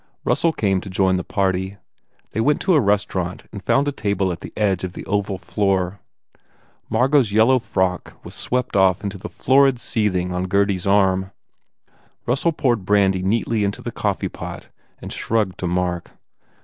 Russell came to join the party. They went to a restaurant and found a table at the edge of the oval floor. Margot s yellow frock was swept off into the florid seething on Gurdy s arm. Russell poured brandy neatly in to the coffee pot and shrugged to Mark.